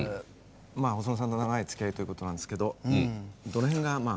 まあ細野さんと長いつきあいということなんですけどどの辺がまあ。